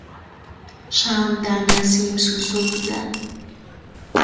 شمع در نسیم سوسو میزد.